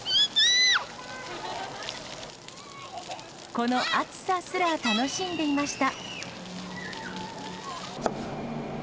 この暑さすら楽しんでいました。